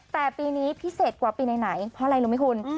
แต่ปีนี้พิเศษกว่าปีไหนเพราะอะไรรู้ไหมคุณ